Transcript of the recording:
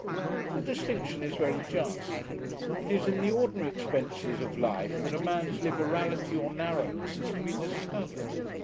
The distinction is very just. It is in the ordinary expences of life that a man's liberality or narrowness is to be discovered.